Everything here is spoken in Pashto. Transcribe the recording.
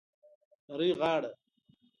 نرۍ غاړه